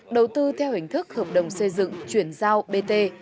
đầu tư theo hình thức hợp đồng xây dựng chuyển giao bt